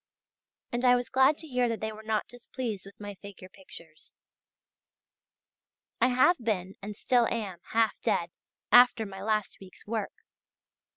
And I was glad to hear that they were not displeased with my figure pictures. I have been and still am half dead, after my last week's work.